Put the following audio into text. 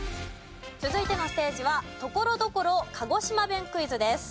続いてのステージはところどころ鹿児島弁クイズです。